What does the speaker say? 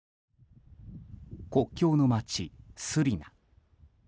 国境の街スリナ。